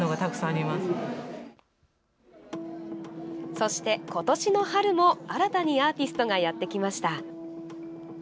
そして、今年の春も新たにアーティストがやってきました。